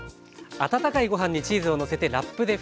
温かいご飯にチーズをのせてラップでふた。